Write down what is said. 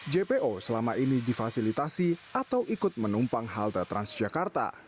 jika ini difasilitasi atau ikut menumpang halta transjakarta